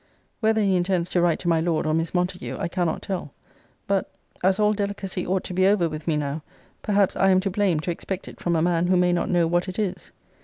Whether he intends to write to my Lord, or Miss Montague, I cannot tell. But, as all delicacy ought to be over with me now, perhaps I am to blame to expect it from a man who may not know what it is.